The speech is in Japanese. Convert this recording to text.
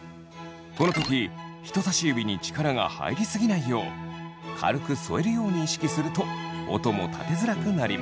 この時人さし指に力が入り過ぎないよう軽く添えるように意識すると音も立てづらくなります。